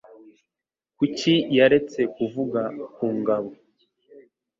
Kuki yaretse kuvuga ku ngabo?